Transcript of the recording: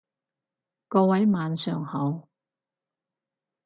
各位晚上好